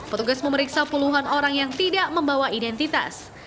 petugas memeriksa puluhan orang yang tidak membawa identitas